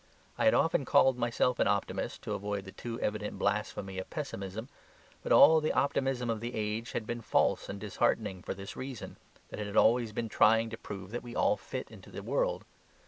I had often called myself an optimist, to avoid the too evident blasphemy of pessimism. But all the optimism of the age had been false and disheartening for this reason, that it had always been trying to prove that we fit in to the world.